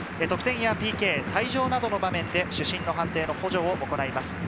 得点やＰＫ、退場などの場面で主審の判定の補助を行います。